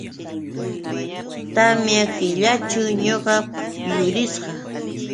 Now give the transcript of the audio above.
Tamya killaćhu ñuqa yurisqa.